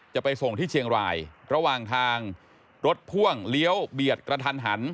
จะไปส่งที่เชียงรายระหว่างทางรถพ่วงเลี้ยวเบียดกระทันหัน